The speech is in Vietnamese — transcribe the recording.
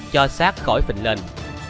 cho sát khỏi phình lên